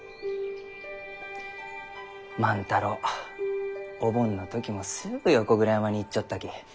万太郎お盆の時もすぐ横倉山に行っちょったき。